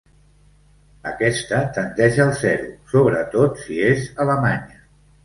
Aquesta tendeix al zero, sobretot si és alemanya.